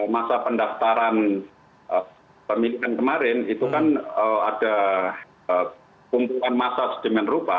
masa pendaftaran pemilihan kemarin itu kan ada kumpulan massa sedemikian rupa